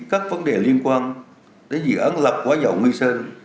xử lý các vấn đề liên quan đến dự án lập quả dầu nguyên sơn